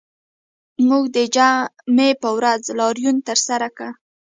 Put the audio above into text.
موږ د جمعې په ورځ لاریون ترسره کړ